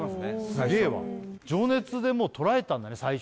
すげえわ「情熱」でもうとらえたんだね